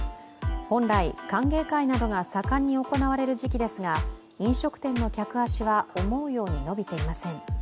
本来、歓迎会などが盛んに行われる時期ですが飲食店の客足は思うように伸びていません。